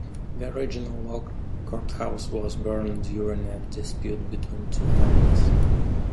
The original log courthouse was burned during a dispute between two families.